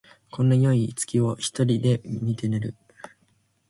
こんなよい月を一人で見て寝る